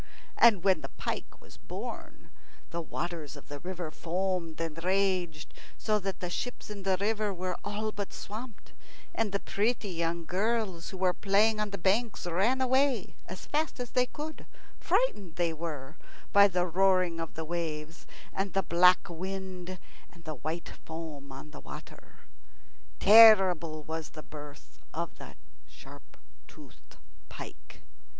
And when the pike was born the waters of the river foamed and raged, so that the ships in the river were all but swamped, and the pretty young girls who were playing on the banks ran away as fast as they could, frightened, they were, by the roaring of the waves, and the black wind and the white foam on the water. Terrible was the birth of the sharp toothed pike.